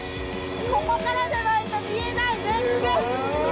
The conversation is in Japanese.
ここからじゃないと見えない、絶景！